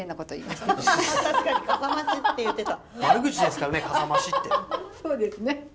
そうですね。